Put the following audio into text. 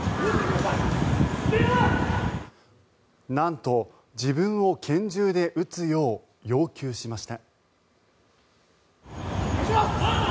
なんと自分を拳銃で撃つよう要求しました。